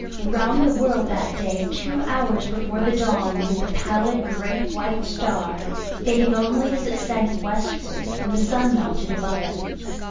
Round the world that day, two hours before the dawn, went the pallid great white star, fading only as it sank westward and the sun mounted above it.